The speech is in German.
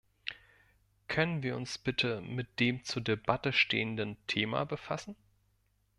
Können wir uns bitte mit dem zur Debatte stehenden Thema befassen?